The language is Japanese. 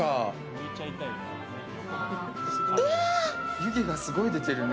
湯気がすごい出てるね。